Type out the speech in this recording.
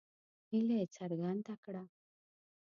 هیله یې څرګنده کړه.